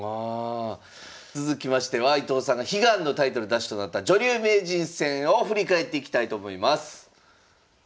続きましては伊藤さんが悲願のタイトル奪取となった女流名人戦を振り返っていきたいと思います。